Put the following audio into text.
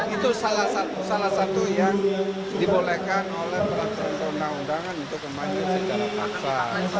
itu salah satu yang dibolehkan oleh peraturan perundangan untuk memanjir secara paksa